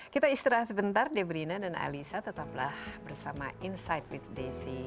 kita istirahat sebentar debrina dan alisa tetaplah bersama insight with desi anwar kita akan segera kembali